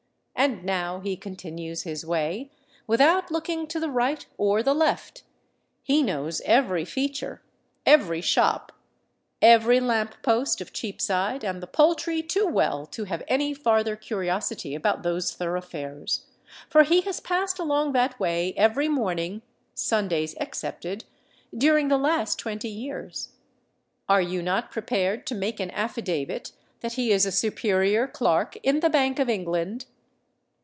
And now he continues his way, without looking to the right or the left: he knows every feature—every shop—every lamp post of Cheapside and the Poultry too well to have any farther curiosity about those thoroughfares—for he has passed along that way every morning, Sundays excepted, during the last twenty years. Are you not prepared to make an affidavit that he is a superior clerk in the Bank of England?